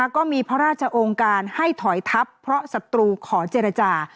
ก็มีพระราชองค์การให้ถอยทับเพราะศัตรูขอเจรจา